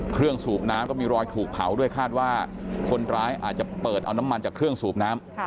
สูบน้ำก็มีรอยถูกเผาด้วยคาดว่าคนร้ายอาจจะเปิดเอาน้ำมันจากเครื่องสูบน้ำ